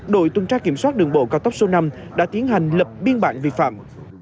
đội tuần tra kiểm soát đường bộ cao tốc số năm đã tiến hành lập biên bản vi phạm